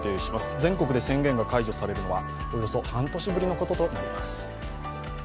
全国で宣言が解除されるのはおよそ半年ぶりのこととなります。